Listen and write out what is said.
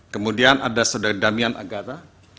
kemudian ada saudara damian agara